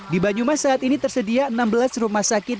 di banyumas saat ini tersedia enam belas rumah sakit